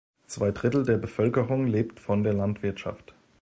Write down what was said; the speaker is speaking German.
Zwei Drittel der Bevölkerung lebt von der Landwirtschaft.